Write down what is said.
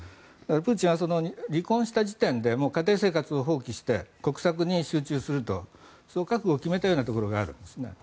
プーチンは離婚した時点で家庭生活を放棄して国策に集中するとその覚悟を決めたようなところがあるんですね。